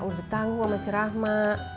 udah tanggung sama si rahma